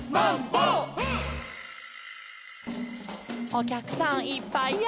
「おきゃくさんいっぱいや」